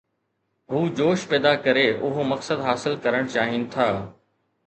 هو جوش پيدا ڪري اهو مقصد حاصل ڪرڻ چاهين ٿا.